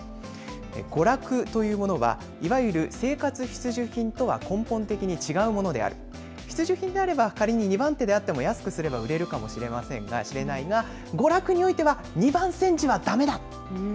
娯楽というのはいわゆる生活必需品とは根本的に違うものである必需品であれば仮に２番手であっても安くすれば売れるかもしれないが娯楽においては二番煎じはだめだ。